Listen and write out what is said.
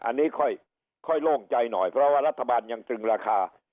อันนี้ค่อยโล่งใจหน่อยเพราะว่ารัฐบาลยังตรึงราคา